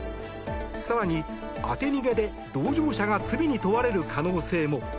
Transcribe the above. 更に、当て逃げで同乗者が罪に問われる可能性も。